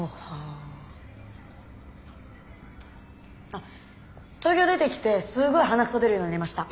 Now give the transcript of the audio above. あっ東京出てきてすごい鼻くそ出るようになりました。